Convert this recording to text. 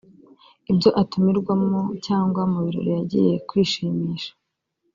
ibyo atumirwamo cyangwa mu birori yagiye kwishimisha